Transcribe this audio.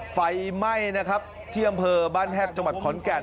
ไฟไหม้นะครับที่อำเภอบ้านแฮดจังหวัดขอนแก่น